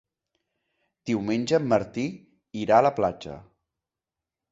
Diumenge en Martí irà a la platja.